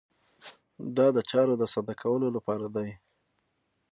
دا د چارو د ساده کولو لپاره دی.